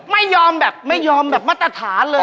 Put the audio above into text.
ไม่ยอมแบบไม่ยอมแบบมาตรฐานเลย